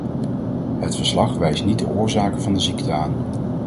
Het verslag wijst niet de oorzaken van de ziekte aan.